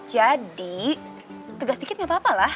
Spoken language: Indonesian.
jadi tegas dikit gak apa apa lah